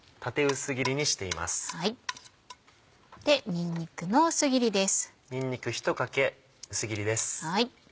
にんにくの薄切りです。